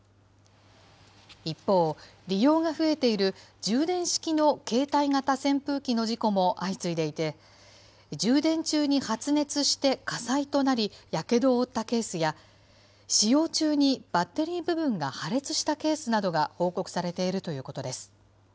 一方、利用が増えている充電式の携帯型扇風機の事故も相次いでいて、充電中に発熱して火災となり、やけどを負ったケースや、使用中にバッテリー部分が破裂したケースなどが報告されているということです。